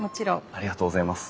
ありがとうございます。